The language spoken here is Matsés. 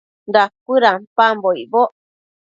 Dacuëdampambo icboc